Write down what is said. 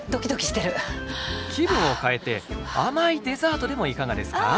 気分を変えて甘いデザートでもいかがですか？